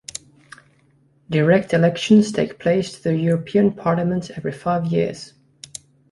Direct elections take place to the European Parliament every five years.